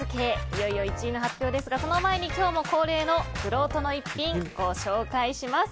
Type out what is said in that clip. いよいよ１位の発表ですがその前に今日も恒例のくろうとの逸品ご紹介します。